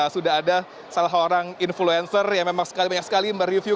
sudah ada salah seorang influencer yang memang banyak sekali mereview